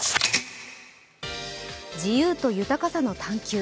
自由と豊かさの探求。